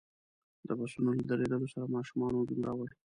د بسونو له درېدلو سره ماشومانو هجوم راوړ.